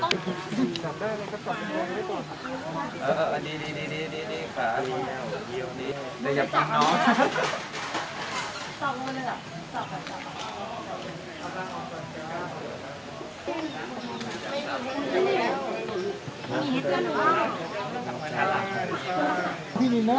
ในน้ำมองกล้องได้มองกล้องได้